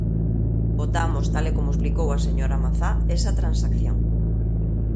Votamos, tal e como explicou a señora Mazá, esa transacción.